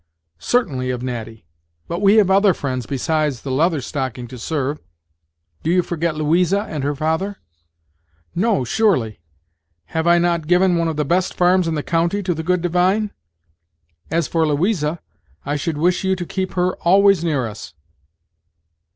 "Certainly of Natty; but we have other friends besides the Leather Stocking to serve. Do you forget Louisa and her father?" "No, surely; have I not given one of the best farms in the county to the good divine? As for Louisa, I should wish you to keep her always near us."